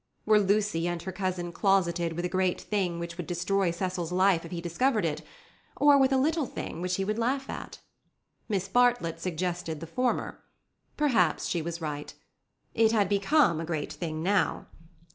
Were Lucy and her cousin closeted with a great thing which would destroy Cecil's life if he discovered it, or with a little thing which he would laugh at? Miss Bartlett suggested the former. Perhaps she was right. It had become a great thing now.